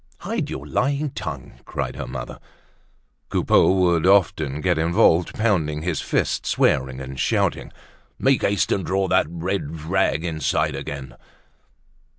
"Hide your lying tongue!" cried her mother. Coupeau would often get involved, pounding his fist, swearing and shouting: "Make haste and draw that red rag inside again!"